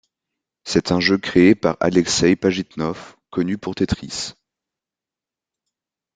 C'est un jeu créé par Alexey Pajitnov, connu pour Tetris.